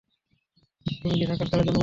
তুমি কি সাক্ষাৎকারের জন্য প্রস্তুত?